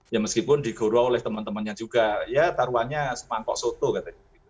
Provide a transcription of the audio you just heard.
ya meskipun digoroh oleh teman temannya juga ya taruhannya sepantau soto gitu